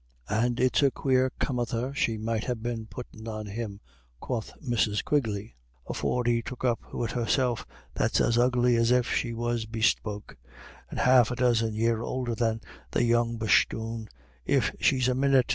"And it's a quare comether she must ha' been after puttin' on him," quoth Mrs. Quigley, "afore he took up wid herself, that's as ugly as if she was bespoke, and half a dozen year oulder than the young bosthoon, if she's a minyit."